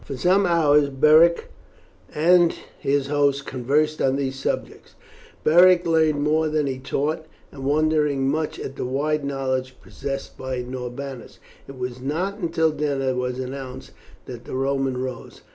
For some hours Beric and his host conversed on these subjects, Beric learning more than he taught, and wondering much at the wide knowledge possessed by Norbanus. It was not until dinner was announced that the Roman rose.